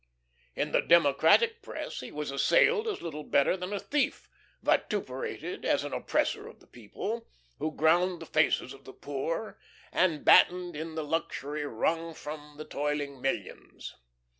In the Democratic press he was assailed as little better than a thief, vituperated as an oppressor of the people, who ground the faces of the poor, and battened in the luxury wrung from the toiling millions.